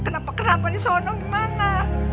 kenapa kenapa disana gimana